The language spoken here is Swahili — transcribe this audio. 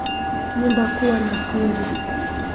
nyumba kuwa na siri